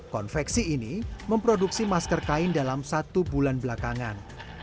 konveksi ini memproduksi masker kain dalam satu bulan belakangan